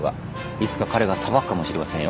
いつか彼が裁くかもしれませんよ